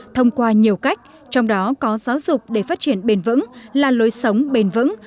thông qua nhiều cách trong đó có giáo dục để phát triển bền vững là lối sống bền vững